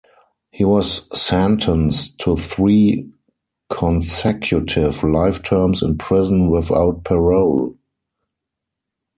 He was sentenced to three consecutive life terms in prison without parole.